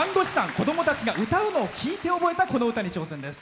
子供たちが歌うのを聴いて覚えたこの歌に挑戦です。